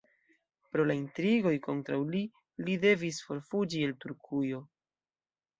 Pro la intrigoj kontraŭ li, li devis forfuĝi el Turkujo.